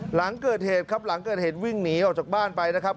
หลังเกิดเหตุครับหลังเกิดเหตุวิ่งหนีออกจากบ้านไปนะครับ